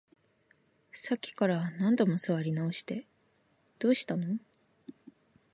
さっきから何度も座り直して、どうしたの？